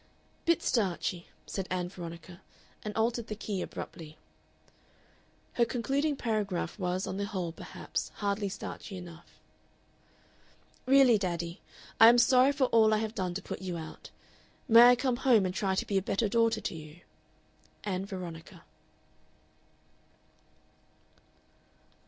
"Bit starchy," said Ann Veronica, and altered the key abruptly. Her concluding paragraph was, on the whole, perhaps, hardly starchy enough. "Really, daddy, I am sorry for all I have done to put you out. May I come home and try to be a better daughter to you? "ANN VERONICA."